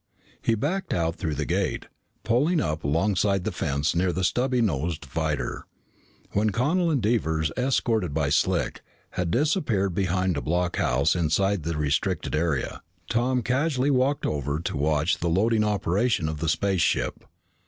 He backed out through the gate, pulling up alongside the fence near the stubby nosed freighter. When Connel and Devers, escorted by Slick, had disappeared behind a blockhouse inside the restricted area, Tom casually walked over to watch the loading operation of the spaceship.